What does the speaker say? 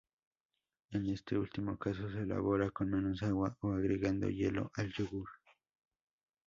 En este último caso se elabora con menos agua, o agregando hielo al yogur.